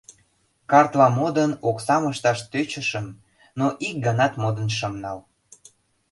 Картла модын, оксам ышташ тӧчышым, но ик ганат модын шым нал.